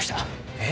えっ？